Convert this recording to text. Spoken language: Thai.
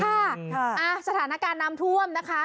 ค่ะสถานการณ์น้ำท่วมนะคะ